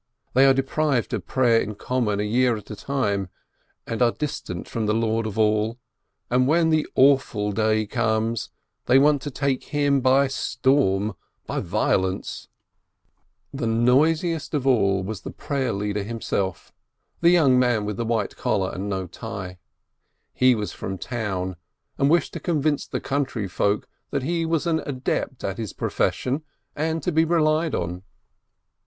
They are deprived of prayer in common a year at a time, and are distant from the Lord of All, and when the Awful Day comes, they want to take Him by storm, by violence. The COUNTRY FOLK 555 noisiest of all was the prayer leader himself, the young man with the white collar and no tie. He was from town, and wished to convince the country folk that he was an adept at his profession and to be relied on.